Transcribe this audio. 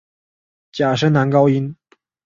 假声男高音。